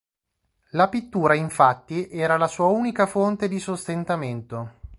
La pittura infatti era la sua unica fonte di sostentamento.